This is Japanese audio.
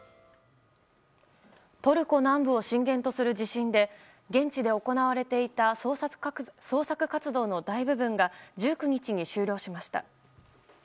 トルコ南部を震源とする地震で現地で行われていた捜索活動の大部分が１９日に終了しました。